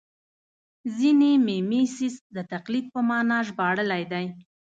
ځینې میمیسیس د تقلید په مانا ژباړلی دی